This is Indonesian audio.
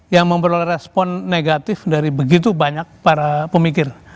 yang memperoleh respon negatif dari begitu banyak para pemikir